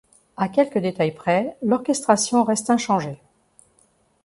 À quelques détails près, l'orchestration reste inchangée.